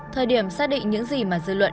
thời điểm xác định những gì mà dư luận